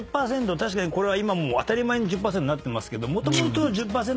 確かにこれは今当たり前に１０％になってますけど。